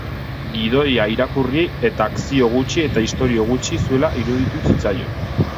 Gidoia irakurri eta akzio gutxi eta istorio gutxi zuela iruditu zitzaion.